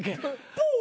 ポー！